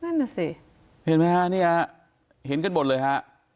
นั่นแหละสิเห็นไหมฮะนี้ฮะเห็นกันบนเลยฮะ